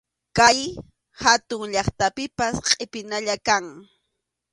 Kay hatun llaqtapipas qʼipinalla kan.